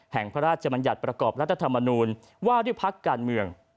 พระราชมัญญัติประกอบรัฐธรรมนูญว่าด้วยพักการเมือง